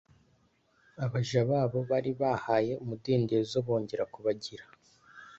abaja babo bari bahaye umudendezo bongera kubagira